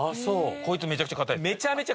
こいつめちゃくちゃ硬い。